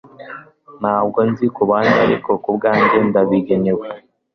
Ntabwo nzi kubandi ariko kubwanjye ndabigenewe